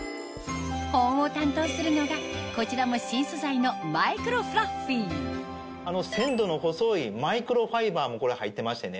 保温を担当するのがこちらも新素材のマイクロフラッフィー繊度の細いマイクロファイバーも入ってましてね。